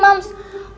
mams udah ngasih tau